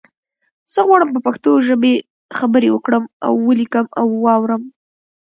زه غواړم په پښتو ژبه خبری وکړم او ولیکم او وارم